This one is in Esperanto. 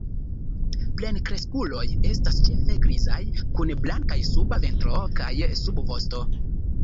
Plenkreskuloj estas ĉefe grizaj kun blankaj suba ventro kaj subvosto.